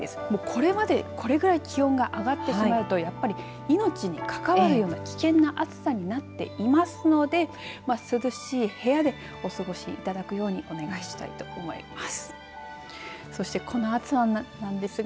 これまでこれぐらい気温が上がってしまうとやっぱり命に関わるような危険な暑さになっていますので涼しい部屋でお過ごしいただくようにお願いしたいと思います。